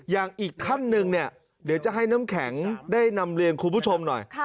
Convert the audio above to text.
อย่างอีกคำนึงเดี๋ยวจะให้น้ำแข็งได้นำเรียนคุณผู้ชมหน่อย